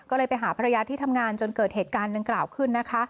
ก็เลยไปหาฝ่ายมาที่ทำงานจนเกิดเหตุการณ์หนึ่งกล่าวขึ้น